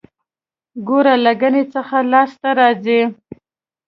ګوړه له ګني څخه لاسته راځي